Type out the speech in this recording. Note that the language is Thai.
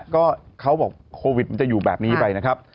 ก็เขาบอกโควิดมันจะอยู่แบบนี้ไปนะครับ